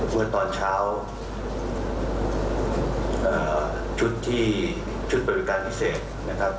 เมื่อตอนเช้าชุดที่ชุดบริการพิเศษนะครับ